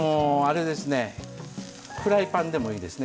フライパンでもいいですね。